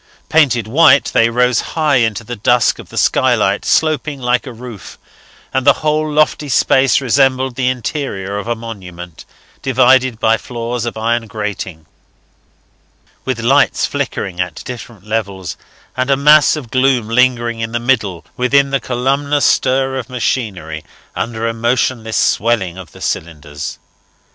Painted white, they rose high into the dusk of the skylight, sloping like a roof; and the whole lofty space resembled the interior of a monument, divided by floors of iron grating, with lights flickering at different levels, and a mass of gloom lingering in the middle, within the columnar stir of machinery under the motionless swelling of the cylinders.